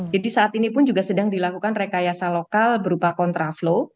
jadi saat ini pun juga sedang dilakukan rekayasa lokal berupa contraflow